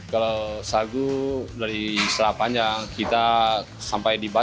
kalau sagu dari setelah panjang kita sampai dibawa